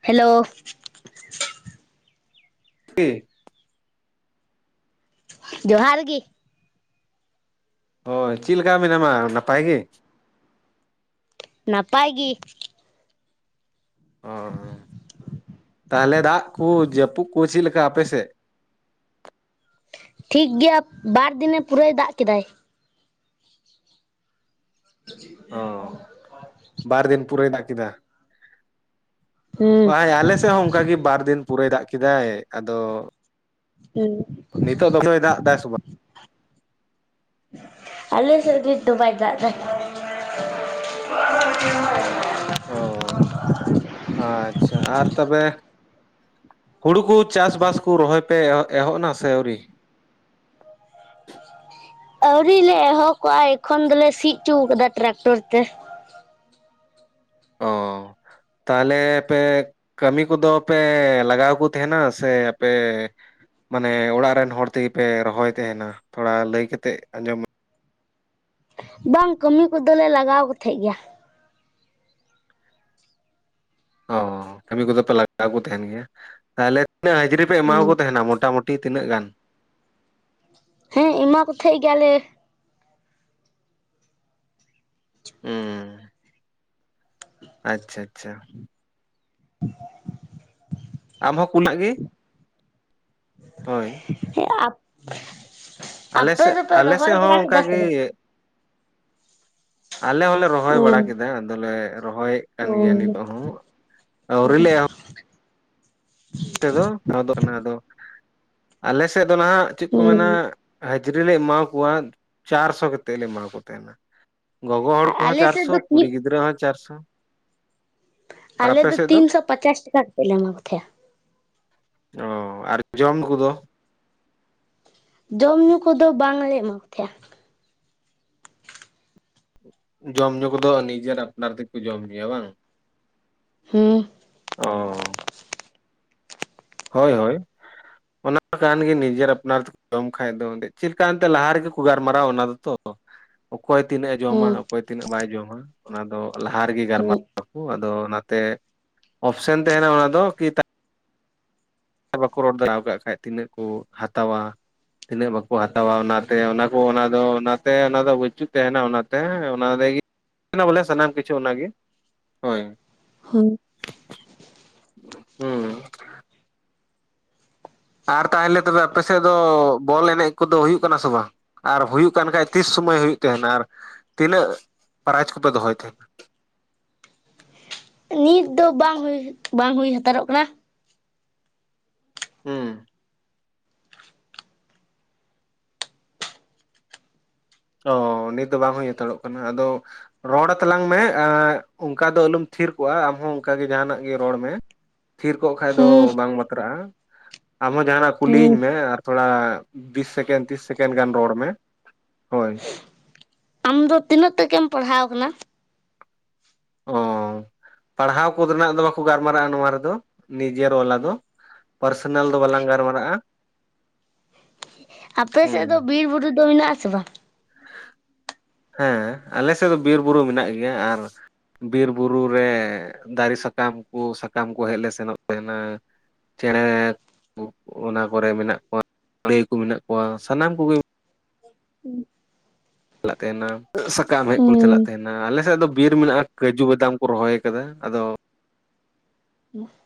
Hello [unintelligible] ᱡᱚᱦᱟᱨ ᱜᱤ? ᱦᱳᱭ ᱪᱮᱫ ᱞᱮᱠᱟ ᱢᱮᱱᱟᱢᱟ, ᱱᱟᱯᱟᱭ ᱜᱮ? ᱱᱟᱯᱟᱭ ᱜᱮ᱾ ᱚ ᱛᱟᱦᱚᱞᱮ ᱫᱟᱜ ᱠᱚ ᱡᱟᱹᱯᱩᱫ ᱠᱚ ᱪᱮᱫ ᱞᱮᱠᱟ ᱟᱯᱮ ᱥᱮᱫ? ᱴᱷᱤᱠ ᱜᱮᱭᱟ ᱵᱟᱨ ᱫᱤᱱᱮ ᱯᱩᱨᱟᱹᱭ ᱫᱟᱜ ᱠᱮᱫᱟᱭ᱾ [unintelligible] ᱵᱟᱨᱫᱤᱱ ᱯᱩᱨᱟᱹᱭ ᱫᱟᱜ ᱠᱮᱫᱟ᱾ ᱦᱩᱸ ᱵᱟᱝ ᱭᱟ ᱟᱞᱮ ᱥᱮᱫ ᱦᱚᱸ ᱚᱱᱠᱟᱜᱮ ᱵᱟᱨᱫᱤᱱ ᱯᱩᱨᱟᱹᱭ ᱫᱟᱜ ᱠᱮᱫᱟᱭ ᱾ᱟᱫᱚ ᱦᱮᱸ [inaudible] ᱱᱤᱛᱚᱜ ᱫᱚ ᱫᱚᱭ ᱫᱟᱜ ᱮᱫᱟ ᱥᱮ ᱵᱟᱝ? ᱟᱞᱮ ᱥᱮᱫ ᱱᱤᱛ ᱫᱚ ᱵᱟᱭ ᱫᱟᱜ [unintelligible] [inaudible] ᱚ ᱟᱪᱪᱷᱟ ᱟᱨ ᱛᱚᱵᱮ ᱦᱩᱲᱩ ᱠᱚ ᱪᱟᱥ ᱵᱟᱥ ᱠᱚ ᱨᱚᱦᱚᱭ ᱯᱮ ᱮᱸ ᱮᱦᱚᱵ ᱱᱟ ᱥᱮ ᱟᱹᱣᱨᱤ᱾ ᱟᱣᱨᱤ ᱞᱮ ᱮᱦᱚᱵ ᱠᱚᱜ-ᱟ ᱮᱠᱷᱚᱱ ᱫᱚᱞᱮ ᱥᱤ ᱚᱪᱚ ᱟᱠᱟᱫᱟ ᱴᱨᱟᱠᱴᱚᱨ ᱛᱮ᱾ ᱚ ᱛᱟᱦᱚᱞᱮ ᱯᱮ ᱠᱟᱹᱢᱤ ᱠᱚᱫᱚ ᱯᱮ ᱞᱟᱜᱟᱣ ᱠᱚ ᱛᱟᱦᱮᱱᱟ ᱥᱮ ᱟᱯᱮ ᱢᱟᱱᱮ ᱚᱲᱟᱜ ᱨᱮᱱ ᱦᱚᱲ ᱛᱮᱜᱮ ᱯᱮ ᱨᱚᱦᱚᱭ ᱛᱟᱦᱮᱱᱟ, ᱛᱷᱚᱲᱟ ᱞᱟᱹᱭ ᱠᱟᱛᱮᱫ ᱟᱸᱡᱚᱢ ᱵᱟᱝ ᱠᱟᱹᱢᱤ ᱠᱚᱫᱚᱞᱮ ᱞᱟᱜᱟᱣ ᱠᱚ ᱛᱟᱦᱮᱸᱫ ᱜᱮᱭᱟ᱾ ᱚ ᱠᱟᱹᱢᱤ ᱠᱚᱫᱚ ᱯᱮ ᱞᱟᱜᱟᱣ ᱠᱚ ᱛᱟᱦᱮᱱ ᱜᱮᱭᱟ ᱛᱟᱦᱚᱞᱮ ᱛᱤᱱᱟᱹᱜ ᱦᱟᱹᱡᱨᱤ ᱯᱮ ᱮᱢᱟ ᱦᱩᱸ ᱠᱚ ᱛᱟᱦᱮᱱᱟ ᱢᱚᱴᱟᱢᱩᱴᱤ? [inaudible] ᱛᱤᱱᱟᱹᱜ ᱜᱟᱱ? ᱦᱮᱸ ᱮᱢᱟ ᱠᱚ ᱛᱟᱦᱮᱸᱮᱫ ᱜᱮᱭᱟᱞᱮ, [unintelligible] ᱟᱪᱪᱷᱟ ᱟᱪᱪᱷᱟ᱾ [unintelligible] ᱟᱢᱦᱚᱸ [inaudible] ᱜᱮ ᱦᱳᱭ [unintelligible] ᱟᱞᱮ ᱟᱯᱮ ᱥᱮᱫ ᱫᱚ ᱯᱮ ᱟᱞᱮ ᱨᱚᱦᱚᱭ ᱥᱮᱫ ᱵᱟᱲᱟ ᱦᱚᱸ ᱚᱱᱠᱟ ᱠᱮᱫᱟ ᱥᱮ ᱵᱟᱝ? ᱜᱮ ᱟᱞᱮ ᱦᱚᱞᱮ ᱨᱚᱦᱚᱭ ᱵᱟᱲᱟ ᱦᱩᱸ ᱠᱮᱫᱟ ᱟᱫᱚᱞᱮ ᱨᱚᱦᱚᱭ ᱠᱟᱱ ᱦᱩᱸ ᱜᱮᱭᱟ ᱱᱤᱛᱚᱜ ᱦᱚᱸ ᱟᱹᱣᱨᱤ ᱞᱮ ᱮᱦᱚᱯ ᱛᱮᱫᱚ ᱟᱫᱚ ᱟᱫᱚ ᱟᱞᱮ ᱥᱮᱫ ᱫᱚ ᱱᱟᱦᱟᱜ ᱪᱮᱫ ᱠᱚ ᱦᱩᱸ ᱢᱮᱱᱟ ᱦᱟᱹᱡᱨᱤ ᱞᱮ ᱮᱢᱟ ᱠᱚᱣᱟ ᱪᱟᱨᱥᱚ ᱠᱟᱛᱮᱫ ᱞᱮ ᱮᱢᱟᱠᱚ ᱛᱟᱦᱮᱱᱟ᱾ ᱜᱚᱜᱚ ᱦᱚᱲ ᱠᱚᱦᱚᱸ ᱟᱞᱮ ᱥᱮᱫ ᱪᱟᱨᱥᱚ ᱫᱚ ᱠᱩᱲᱤ ᱛᱤᱱ ᱜᱤᱫᱽᱨᱟᱹ ᱦᱚᱸ ᱪᱟᱨᱥᱚ᱾ ᱟᱨ ᱟᱞᱮ ᱟᱯᱮ ᱫᱚ ᱥᱮᱫ ᱛᱤᱱᱥᱚ ᱯᱟᱪᱟᱥ ᱴᱟᱠᱟ ᱠᱟᱛᱮ ᱞᱮ ᱮᱢᱟ ᱠᱚ ᱛᱟᱦᱮᱸᱱᱟ᱾ ᱚ ᱟᱨ ᱡᱚᱢ ᱠᱚᱫᱚ? ᱡᱚᱢ ᱧᱩ ᱠᱚᱫᱚ ᱵᱟᱝᱞᱮ ᱮᱢᱟ ᱠᱚ ᱛᱟᱦᱮᱸᱟ, ᱡᱚᱢ ᱧᱩ ᱠᱚᱫᱚ ᱱᱤᱡᱮᱨ ᱟᱯᱱᱟᱨ ᱛᱮᱠᱚ ᱡᱚᱢ ᱧᱩᱭᱟ ᱵᱟᱝ? ᱦᱩᱸ, ᱚᱻ ᱦᱳᱭ ᱦᱳᱭ ᱚᱱᱟ ᱠᱟᱱ ᱜᱮ ᱱᱤᱡᱮᱨ ᱟᱯᱱᱟᱨ ᱡᱚᱢ ᱠᱷᱟᱡ ᱫᱚ ᱪᱮᱫᱠᱟ ᱮᱱᱛᱮ ᱞᱟᱦᱟ ᱨᱮᱜᱮ ᱠᱚ ᱜᱟᱞᱢᱟᱨᱟᱣᱟ ᱚᱱᱟ ᱫᱚ ᱛᱚ ᱾ ᱚᱠᱚᱭ ᱛᱤᱱᱟᱹᱜ ᱮ ᱡᱚᱢᱟ ᱦᱩᱸ ᱚᱠᱚᱭ ᱛᱤᱱᱟᱹᱜ ᱵᱟᱭ ᱡᱚᱢᱟ ᱚᱱᱟ ᱫᱚ ᱞᱟᱦᱟ ᱨᱮᱜᱮ ᱦᱩᱸ ᱜᱟᱞᱢᱟᱨᱟᱣ ᱟᱫᱚ ᱚᱱᱟᱛᱮ ᱚᱯᱥᱮᱱ ᱛᱟᱦᱮᱱᱟ ᱚᱱᱟ ᱫᱚ ᱵᱟᱠᱚ ᱨᱚᱲ ᱫᱟᱲᱟ ᱟᱠᱟᱫ ᱠᱷᱟᱡ ᱛᱤᱱᱟᱹᱜ ᱠᱚ ᱦᱟᱛᱟᱣᱟ, ᱛᱤᱱᱟᱹᱜ ᱵᱟᱠᱚ ᱦᱟᱛᱟᱣᱟ ᱚᱱᱟᱛᱮ ᱚᱱᱟ ᱠᱚ ᱚᱱᱟ ᱫᱚ ᱚᱱᱟᱛᱮ ᱚᱱᱟ ᱫᱚ ᱵᱟᱹᱪᱩᱜ ᱛᱟᱦᱮᱱᱟ ᱚᱱᱟᱛᱮ ᱚᱱᱟ ᱨᱮᱜᱮ ᱵᱚᱞᱮ ᱥᱟᱱᱟᱢ ᱠᱤᱪᱷᱩ ᱚᱱᱟᱜᱮ ᱦᱳᱭ᱾ ᱦᱳᱭ᱾ ᱦᱩᱸ ᱟᱨ ᱛᱟᱦᱞᱮ ᱛᱚᱵᱮ ᱟᱯᱮ ᱥᱮᱫ ᱫᱚ ᱵᱚᱞ ᱮᱱᱮᱡ ᱠᱚᱫᱚ ᱦᱩᱭᱩᱜ ᱠᱟᱱᱟ ᱥᱮ ᱵᱟᱝ? ᱟᱨ ᱦᱩᱭᱩᱜ ᱠᱟᱱ ᱠᱷᱟᱡ ᱛᱤᱥ ᱥᱩᱢᱚᱭ ᱦᱩᱭᱩᱜ ᱛᱟᱦᱮᱸᱱᱟ ᱟᱨ ᱛᱤᱱᱟᱹᱜ ᱯᱨᱟᱭᱤᱡᱽ ᱠᱚᱯᱮ ᱫᱚᱦᱚᱭ ᱛᱟᱦᱮᱱᱟ᱾ ᱱᱤᱛ ᱫᱚ ᱵᱟᱝ ᱦᱩᱭ ᱵᱟᱝ ᱦᱩᱭ ᱦᱟᱛᱟᱲᱚᱜ ᱠᱟᱱᱟ᱾ ᱦᱮᱸ ᱚ ᱱᱤᱛ ᱫᱚ ᱵᱟᱝ ᱦᱩᱭ ᱦᱟᱛᱟᱲᱚᱜ ᱠᱟᱱᱟ, ᱟᱫᱚ ᱨᱚᱲ ᱛᱟᱞᱟᱝ ᱢᱮ ᱮ ᱚᱱᱠᱟ ᱫᱚ ᱟᱞᱚᱢ ᱛᱷᱤᱨ ᱠᱚᱜ-ᱟ ᱟᱢᱦᱚᱸ ᱚᱱᱠᱟᱜᱮ ᱡᱟᱦᱟᱱᱟᱜ ᱜᱮ ᱨᱚᱲ ᱢᱮ᱾ ᱛᱷᱤᱨ ᱠᱚᱜ ᱠᱷᱟᱡ ᱫᱚ ᱦᱩᱸ ᱵᱟᱝ ᱵᱟᱛᱨᱟᱜ-ᱟ ᱟᱢᱚᱸ ᱡᱟᱦᱟᱱᱟᱜ ᱦᱩᱸ ᱠᱩᱞᱤᱭᱤᱧ ᱢᱮ ᱟᱨ ᱛᱷᱚᱲᱟ ᱵᱤᱥ ᱥᱮᱠᱮᱱᱰ ᱛᱤᱥ ᱥᱮᱠᱮᱱᱰ ᱜᱟᱱ ᱨᱚᱲ ᱢᱮ ᱦᱳᱭ᱾ ᱟᱢᱫᱚ ᱛᱤᱱᱟᱹᱜ ᱴᱟᱜ ᱮᱢ ᱯᱟᱲᱦᱟᱣ ᱠᱟᱱᱟ? ᱚ ᱯᱟᱲᱦᱟᱣ ᱠᱚᱫᱚ ᱵᱟᱠᱚ ᱜᱟᱞᱢᱟᱨᱟᱜ-ᱟ ᱱᱚᱣᱟ ᱨᱮᱫᱚ ᱱᱤᱡᱮᱨ ᱵᱟᱞᱟ ᱫᱚ, ᱯᱟᱨᱥᱮᱱᱟᱞ ᱫᱚ ᱵᱟᱞᱟᱝ ᱜᱟᱞᱢᱟᱨᱟᱜᱼᱟ ᱾ ᱟᱯᱮ ᱥᱮᱫ ᱦᱩᱸ᱾ ᱫᱚ ᱵᱤᱨ ᱵᱩᱨᱩ ᱫᱚ ᱢᱮᱱᱟᱜ ᱟᱥᱮ ᱵᱟᱝ? ᱦᱮᱸ ᱟᱞᱮ ᱥᱮᱫ ᱫᱚ ᱵᱤᱨ ᱵᱩᱨᱩ ᱢᱮᱱᱟᱜ ᱜᱮᱭᱟ ᱟᱨᱼᱼ ᱵᱤᱨ ᱵᱩᱨᱩ ᱨᱮ ᱫᱟᱨᱮ ᱥᱟᱠᱟᱢ ᱠᱚ ᱥᱟᱠᱟᱢ ᱠᱚ ᱦᱮᱡ ᱞᱮ ᱥᱮᱱᱚᱜ ᱛᱟᱦᱮᱸᱱᱟ ᱾ ᱪᱮᱬᱮ ᱚ ᱚᱱᱟ ᱠᱚᱨᱮ ᱢᱮᱱᱟᱜ ᱠᱚᱣᱟ ᱯᱟᱹᱭ ᱠᱚ ᱢᱮᱱᱟᱜ ᱠᱚᱣᱟ ᱥᱟᱱᱟᱢ ᱠᱚᱜᱮᱼᱼ ᱪᱟᱞᱟᱜ ᱛᱟᱦᱮᱸᱱᱟ ᱥᱟᱠᱟᱢ ᱦᱮᱡ ᱠᱚᱞᱮ ᱪᱟᱞᱟᱜ ᱦᱩᱸ ᱛᱟᱦᱮᱸᱱ ᱾ ᱟ ᱟᱞᱮᱥᱮᱫ ᱫᱚ ᱵᱤᱨ ᱢᱮᱱᱟᱜᱼᱟ, ᱠᱟᱹᱡᱩ ᱵᱟᱫᱟᱢ ᱠᱚ ᱨᱚᱦᱚᱭ ᱟᱠᱟᱫᱟ ᱟᱫᱚᱼᱼ ᱦᱩᱸ [unintelligible]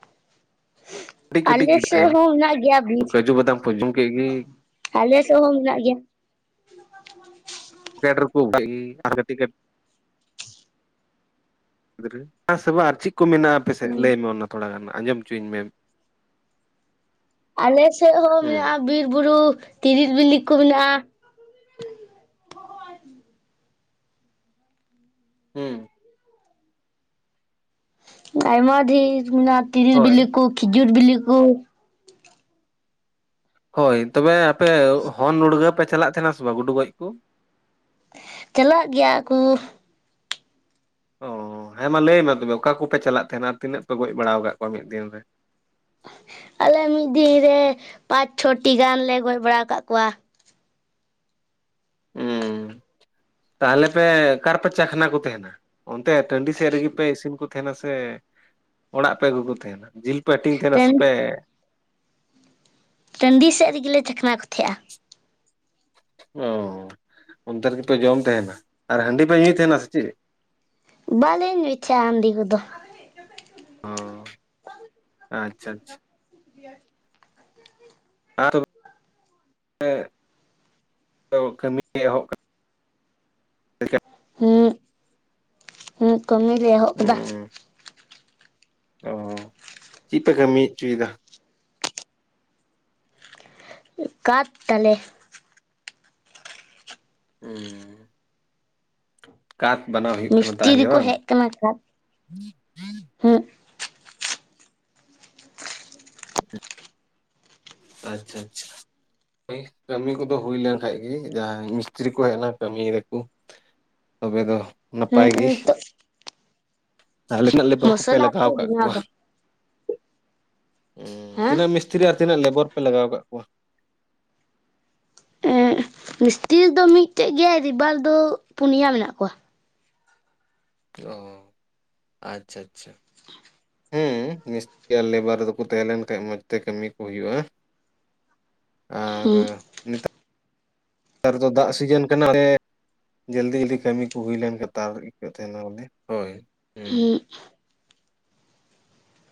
ᱠᱟᱹᱴᱤᱡ ᱠᱟᱹᱴᱤᱡ ᱟᱞᱮ ᱜᱮ ᱥᱮᱜ ᱟᱭᱢᱟ ᱦᱚᱸ ᱢᱮᱱᱟᱜ ᱜᱮᱭᱟ ᱵᱤᱨ, ᱠᱟᱹᱡᱩ ᱵᱟᱫᱟᱢ ᱠᱚ ᱡᱚᱢ ᱠᱮᱫ ᱜᱮ ᱟᱞᱮ ᱥᱮᱜ ᱦᱚᱸ ᱢᱮᱱᱟᱜ ᱜᱮᱭᱟ ᱾ ᱠᱮᱴᱨᱚ ᱯᱩᱜ [unintelligible] ᱠᱟᱱ ᱜᱤ ᱟᱨ [unintelligible] ᱠᱟᱹᱴᱤᱡ ᱜᱮᱵ ᱜᱤᱫᱽᱨᱟᱹ ᱦᱮᱸ ᱥᱮ ᱵᱟᱝ, ᱟᱨ ᱪᱮᱫ ᱠᱚ ᱢᱮᱱᱟᱜᱼᱟ ᱟᱯᱮ ᱥᱮᱫ ᱦᱩᱸ ᱞᱟᱹᱭ ᱢᱮ ᱚᱱᱟ ᱛᱷᱚᱲᱟ ᱜᱟᱱ ᱟᱸᱡᱚᱢ ᱦᱚᱪᱚᱧ ᱢᱮ ᱾ ᱟᱞᱮ ᱥᱮᱫ ᱦᱚᱸ ᱢᱮᱱᱟᱜᱼᱟ ᱵᱤᱨ ᱵᱩᱨᱩ ᱛᱤᱨᱤᱞ ᱵᱤᱞᱤ ᱠᱚ ᱢᱮᱱᱟᱜᱼᱟ ᱾ ᱦᱩᱸ ᱾ ᱟᱭᱢᱟ ᱰᱷᱤᱨ ᱢᱮᱱᱟᱜᱼᱟ ᱛᱤᱨᱤᱞ ᱦᱳᱭ ᱵᱤᱞᱤ ᱠᱚ, ᱠᱷᱤᱡᱩᱨ ᱵᱤᱞᱤ ᱠᱚ ᱾ ᱦᱳᱭ ᱛᱚᱵᱮ ᱟᱯᱮ ᱦᱚᱱ ᱱᱩᱲᱜᱟᱹ ᱯᱮ ᱪᱟᱞᱟᱜ ᱛᱟᱸᱦᱮᱱᱟ ᱥᱮ ᱵᱟᱝ ᱜᱩᱰᱩ ᱜᱚᱡ ᱠᱚ? ᱪᱟᱞᱟᱜ ᱜᱮᱭᱟ ᱠᱩ ᱾ ᱚᱻ ᱦᱮᱸ ᱢᱟ ᱞᱟᱹᱭᱢᱮ ᱛᱚᱵᱮ ᱚᱠᱟ ᱠᱚᱯᱮ ᱪᱟᱞᱟᱜ ᱛᱟᱦᱮᱸᱱᱟ ᱟᱨ ᱛᱤᱱᱟᱹᱜ ᱯᱮ ᱜᱚᱡ ᱵᱟᱲᱟ ᱟᱠᱟᱫ ᱠᱚᱣᱟ ᱢᱤᱫ ᱫᱤᱱ ᱨᱮ? ᱟᱞᱮ ᱢᱤᱫ ᱫᱤᱱ ᱨᱮ ᱯᱟᱸᱪ ᱪᱷᱚᱴᱤ ᱜᱟᱱ ᱞᱮ ᱜᱚᱡ ᱵᱟᱲᱟ ᱟᱠᱟᱫ ᱠᱚᱣᱟ ᱾ ᱩᱸ ᱛᱟᱦᱚᱞᱮ ᱯᱮ ᱚᱠᱟ ᱨᱮᱯᱮ ᱪᱟᱠᱷᱱᱟ ᱠᱚ ᱛᱟᱦᱮᱸᱱᱟ? ᱚᱱᱛᱮ ᱴᱟᱺᱰᱤ ᱥᱮᱫ ᱨᱮᱜᱮᱯᱮ ᱤᱥᱤᱱ ᱠᱚ ᱛᱟᱦᱮᱸᱱᱟ ᱥᱮ ᱚᱲᱟᱜ ᱯᱮ ᱟᱹᱜᱩ ᱠᱚ ᱛᱟᱦᱮᱸᱱᱟ ᱡᱤᱞ ᱾ ᱯᱮ ᱦᱟᱴᱤᱝ ᱛᱟᱦᱮᱸᱫ ᱟ ᱥᱮ ᱴᱟᱺᱰᱤ ᱯᱮᱼᱼ ᱴᱟᱺᱰᱤ ᱥᱮᱫ ᱨᱮᱜᱮ ᱞᱮ ᱪᱟᱠᱷᱱᱟ ᱠᱚ ᱛᱟᱦᱮᱸᱜᱼᱟ ᱾ ᱚᱸ ᱚᱱᱛᱮ ᱨᱮᱜᱯᱮ ᱡᱚᱢ ᱛᱟᱦᱮᱸᱱᱟ ᱟᱨ ᱦᱟᱺᱰᱤ ᱯᱮ ᱧᱩᱭ ᱛᱟᱦᱮᱸᱱᱟ ᱥᱮ ᱪᱤᱫ? ᱵᱟᱞᱮ ᱧᱩᱭ ᱛᱟᱦᱮᱸᱜᱼᱟ ᱦᱟᱺᱰᱤ ᱠᱚᱫᱚ ᱾ ᱚ ᱟᱪᱪᱷᱟᱼᱟᱪᱪᱷᱟ ᱾ ᱟᱨ ᱱᱛᱮ ᱟᱹᱢᱤ [unintelligible] ᱠᱚ [unintelligible] ᱮᱦᱚᱵ ᱟᱠᱟᱱᱟ? ᱮᱰ ᱠᱷᱟᱡ [unintelligible] ᱦᱩᱸ ᱠᱟᱹᱢᱤᱞᱮ ᱮᱦᱚᱵ ᱠᱮᱫᱟ ᱾ ᱦᱩᱸ ᱚ ᱪᱮᱫ ᱯᱮ ᱠᱟᱹᱢᱤ ᱚᱪᱚᱭᱮᱫᱟ? ᱠᱟᱸᱫᱽ ᱫᱟᱞᱮ ᱾ ᱦᱩᱸ [unintelligible] ᱠᱟᱸᱛ ᱵᱮᱱᱟᱣ ᱦᱩᱭᱩᱜ ᱠᱟᱱᱟ ᱢᱤᱥᱴᱤᱨᱤ ᱛᱟᱦᱚᱞᱮ ᱠᱚ ᱵᱟᱝ? ᱦᱮᱸᱡ ᱠᱟᱱᱟ ᱠᱚ ᱦᱩᱸᱼᱼ [inaudible] ᱟᱪᱪᱷᱟ ᱟᱪᱪᱷᱟ ᱾ ᱳᱭ ᱠᱟᱹᱢᱤ ᱠᱚᱫᱚ ᱦᱩᱭ ᱞᱮᱱᱠᱷᱟᱡ ᱜᱮ, ᱡᱟᱦᱟᱸ ᱢᱤᱥᱛᱨᱤ ᱠᱚ ᱦᱮᱡ ᱮᱱᱟ ᱠᱟᱹᱢᱤ ᱨᱮᱠᱚᱼᱼ ᱛᱚᱵᱮ ᱫᱚ ᱦᱩᱸ ᱱᱟᱯᱟᱭ ᱜᱤ ᱾ ᱱᱤᱛᱚᱜ ᱛᱟᱦᱞᱮᱱᱟᱜ ᱞᱮᱵᱟᱨ ᱠᱚᱯᱮ ᱢᱚᱥᱞᱟ ᱠᱚ ᱞᱟᱜᱟᱣ ᱠᱟᱜ ᱵᱮᱱᱟᱣ ᱠᱚᱣᱟ ᱫᱟ ᱾ ᱦᱩᱸ, ᱦᱮᱸ ᱛᱤᱱᱟᱹᱜ ᱢᱤᱥᱛᱤᱨᱤ ᱟᱨ ᱛᱤᱱᱟᱹᱜ ᱞᱮᱵᱚᱨ ᱯᱮ ᱞᱟᱜᱟᱣ ᱟᱠᱟᱜ ᱠᱚᱣᱟ? ᱢᱤᱥᱛᱨᱤ ᱫᱚ ᱢᱤᱫᱴᱮᱡ ᱜᱮ, ᱟᱨ ᱨᱮᱵᱟᱨ ᱫᱚ ᱯᱩᱱᱭᱟ ᱢᱮᱱᱟᱜ ᱠᱚᱣᱟ ᱾ ᱚ ᱟᱪᱪᱷᱟ ᱟᱪᱪᱷᱟ ᱾ ᱦᱩᱸ ᱢᱤᱥᱛᱨᱤ ᱟᱨ ᱞᱮᱵᱟᱨ ᱨᱮ ᱫᱚᱠᱚ ᱛᱟᱦᱮᱸ ᱞᱮᱱ ᱠᱷᱟᱡ ᱢᱚᱡᱽ ᱛᱮ ᱠᱟᱹᱢᱤ ᱠᱚ ᱦᱩᱭᱩᱜᱼᱟ ᱾ [inaudible] ᱦᱩᱸ ᱾ ᱱᱮᱛᱟᱨ ᱫᱚ ᱫᱟᱜ ᱥᱤᱡᱤᱱ ᱠᱟᱱᱟ ᱨᱮ, ᱡᱚᱞᱫᱤ ᱡᱚᱞᱫᱤ ᱠᱟᱹᱢᱤ ᱠᱚ ᱦᱩᱭ ᱞᱮᱱ ᱠᱟᱛᱟᱞᱮ ᱠᱟᱛᱮ ᱦᱚᱸ [unintelligible] ᱦᱳᱭ ᱾ [inaudible]